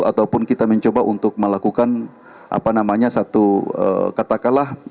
ataupun kita mencoba untuk melakukan apa namanya satu katakanlah